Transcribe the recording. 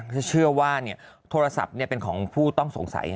จะเชื่อว่าเนี่ยโทรศัพท์เนี่ยเป็นของผู้ต้องสงสัย